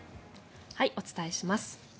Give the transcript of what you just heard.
お伝えします。